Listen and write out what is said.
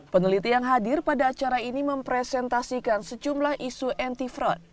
peneliti yang hadir pada acara ini mempresentasikan sejumlah isu anti fraud